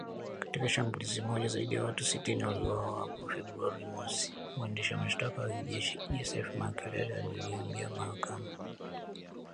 "Katika shambulizi moja, zaidi ya watu sitini waliuawa hapo Februari mosi" mwendesha mashtaka wa kijeshi Joseph Makelele aliiambia mahakama